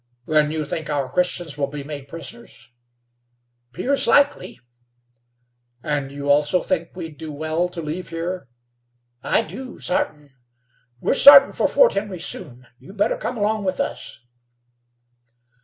"Then you think our Christians will be made prisoners?" "'Pears likely." "And you, also, think we'd do well to leave here." "I do, sartin. We're startin' for Fort Henry soon. You'd better come along with us."